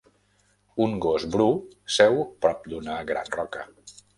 Un gos bru seu prop d'una gran roca.